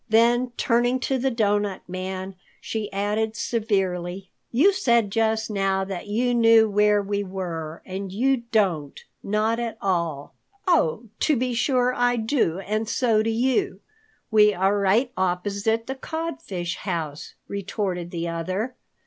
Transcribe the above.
Then turning to the Doughnut Man, she added severely, "You said just now that you knew where we were, and you don't at all." "Oh, to be sure I do, and so do you. We are right opposite the Codfish's house," retorted the other.